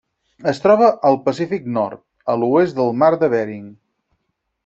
Es troba al Pacífic nord: l'oest del Mar de Bering.